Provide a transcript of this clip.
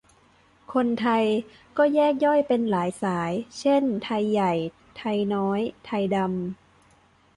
คนไทย ก็แยกย่อยเป็นหลายสาย เช่นไทยใหญ่ ไทยน้อย ไทยดำ